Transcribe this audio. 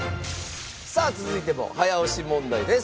さあ続いても早押し問題です。